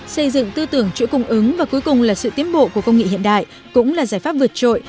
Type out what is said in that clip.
xây dựng tư tưởng chuỗi cung ứng và cuối cùng là sự tiến bộ của công nghệ hiện đại cũng là giải pháp vượt trội